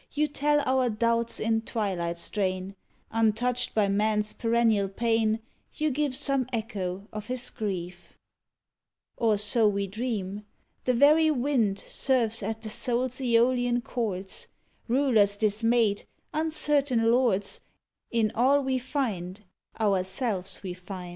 You tell our doubts in twilight strain; Untouched by man's perennial pain, You give some echo of his grief; Or so we dream. The very wind Serves at the soul's aeolian chords; Rulers dismayed, uncertain lords, In all we find, ourselves we find.